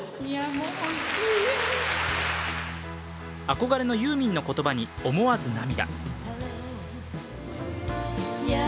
憧れのユーミンの言葉に思わず涙。